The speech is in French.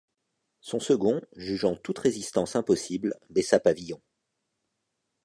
Son second, jugeant toute résistance impossible baissa pavillon.